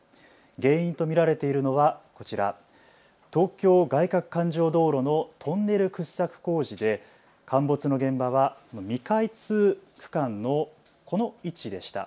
原因と見られているのはこちら、東京外かく環状道路のトンネル掘削工事で陥没の現場は未開通区間のこの位置でした。